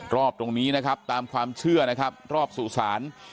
รอบตรงนี้ตามความเชื่อรอบสูตรศาล